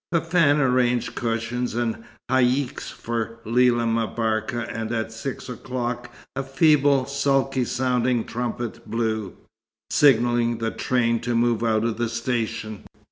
Fafann arranged cushions and haïcks for Lella M'Barka; and at six o'clock a feeble, sulky sounding trumpet blew, signalling the train to move out of the station.